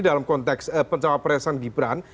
dalam konteks pencapaian peresan gibran